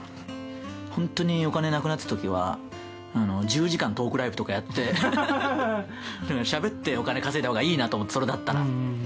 本当にお金なくなったときは１０時間トークライブとかやってしゃべってお金稼いだほうがいいなと思って、それだったら。